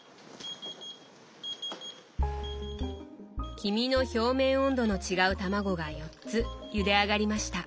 黄身の表面温度の違うたまごが４つゆで上がりました。